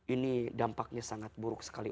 ini dampaknya sangat buruk sekali